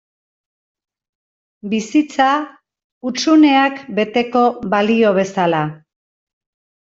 Bizitza, hutsuneak beteko balio bezala.